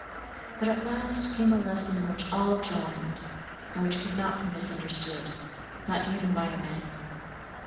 But at last came a lesson in which all joined, and which could not be misunderstood, not even by a man.